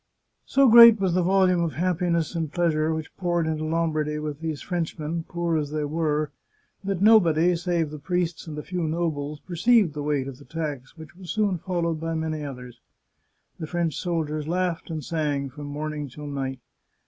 So great was the volume of happiness and pleasure which poured into Lombardy with these Frenchmen, poor as they were, that nobody, save the priests and a few nobles, perceived the weight of the tax, which was soon followed by many others. The French soldiers laughed and sang from morning till night.